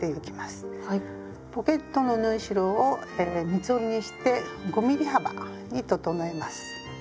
ポケットの縫い代を三つ折りにして５ｍｍ幅に整えます。